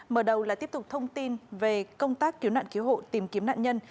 mở đầu là tiếp tục thông tin về công tác cứu nạn cứu hộ tìm kiếm nạn nhân